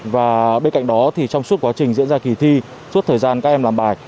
và bên cạnh đó thì trong suốt quá trình diễn ra kỳ thi suốt thời gian các em làm bài